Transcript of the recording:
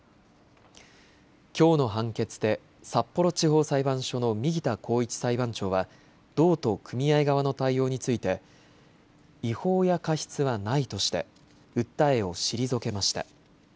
きょうの判決で札幌地方裁判所の右田晃一裁判長は道と組合側の対応について違法や過失はないとして訴えを退けました。